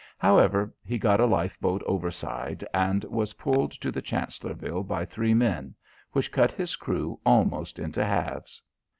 However he got a lifeboat overside and was pulled to the Chancellorville by three men which cut his crew almost into halves.